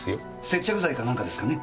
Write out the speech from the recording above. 接着剤かなんかですかね？